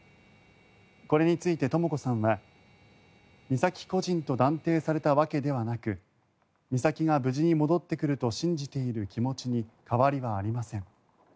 これについて、とも子さんは美咲個人と断定されたわけではなく美咲が無事に戻ってくると信じている気持ちに変わりはありません